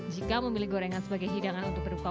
jika memilih gorengan sebagai hidangan untuk berduka